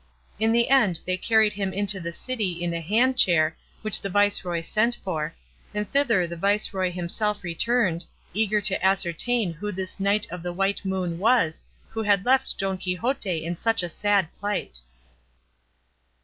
In the end they carried him into the city in a hand chair which the viceroy sent for, and thither the viceroy himself returned, eager to ascertain who this Knight of the White Moon was who had left Don Quixote in such a sad plight.